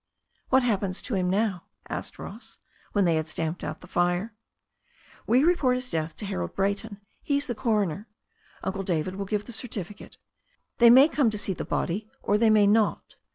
"What happens to him now?" asked Ross, when they had stamped out the fire. "Wc report his death to Harold Brayton; he's the cor oner. Uncle David will give the certificate. They may come to see the body or they may not.